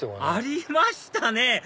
ありましたね！